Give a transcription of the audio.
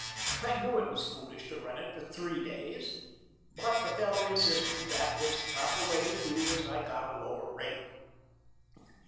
I knew it was foolish to run it for three days, but the fellow insisted that that was the proper way to do, as I got a lower rate.